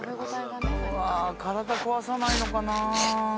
うわ体こわさないのかなぁ。